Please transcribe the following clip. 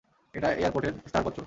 এটা এয়ারপোর্টের ইস্তাহারপত্র।